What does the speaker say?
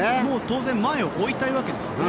当然前を追いたいわけですよね。